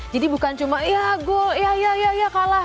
jadi bukan cuma ya gol ya ya ya ya kalah